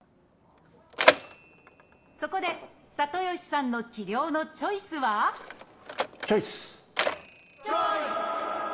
そこで里吉さんの治療のチョイスはチョイス！